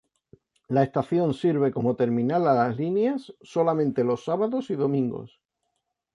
La estación, sirve como terminal a las líneas solamente los sábados y domingos.